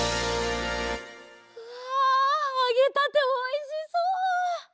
わあげたておいしそう！